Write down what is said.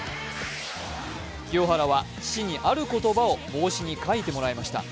清原は父にある言葉を帽子に書いてもらいました。